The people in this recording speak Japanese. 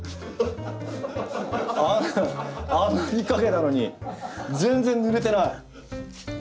あんなにかけたのに全然ぬれてない。